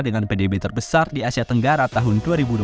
dengan pdb terbesar di asia tenggara tahun dua ribu dua puluh